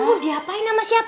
kamu diapain sama siapa